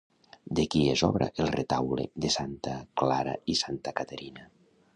De qui és obra el Retaule de Santa Clara i Santa Caterina?